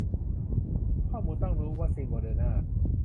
ข้อมูลต้องรู้ วัคซีนโมเดอร์นา